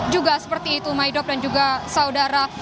juga seperti itu maidoc dan juga saudara